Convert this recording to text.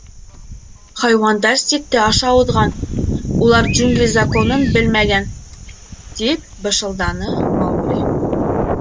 — Хайуандар сикте аша уҙған, улар Джунгли Законын белмәгән, — тип бышылданы Маугли.